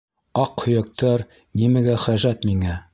— Аҡ һөйәктәр нимәгә хәжәт миңә?